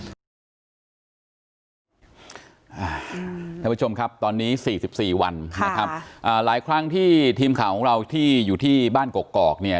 อ่าท่านผู้ชมครับตอนนี้สี่สิบสี่วันค่ะอ่าหลายครั้งที่ทีมข่าวของเราที่อยู่ที่บ้านกอกกอกเนี่ย